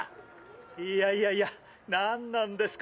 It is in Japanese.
いやいやいやなんなんですか！？